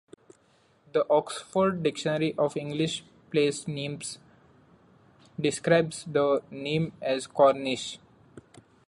The Oxford Dictionary of English Place Names describes the name as Cornish.